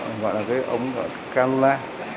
nó gọi là cái ống calula